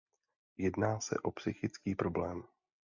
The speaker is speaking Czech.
Jedná se o psychický problém.